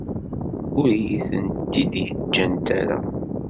Ur iyi-tent-id-ǧǧant ara.